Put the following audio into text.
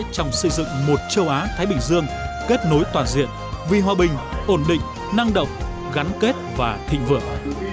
trong xây dựng một châu á thái bình dương kết nối toàn diện vì hòa bình ổn định năng động gắn kết và thịnh vượng